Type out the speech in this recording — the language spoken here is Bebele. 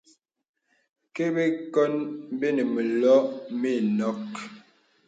Kə bəkòn bənə məlɔ̄ mənɔ̄k.